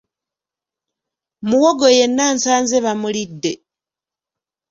Muwogo yenna nsanze bamulidde.